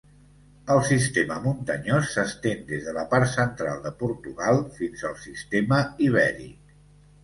El sistema muntanyós s'estén des de la part central de Portugal fins al Sistema Ibèric.